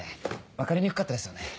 分かりにくかったですよね。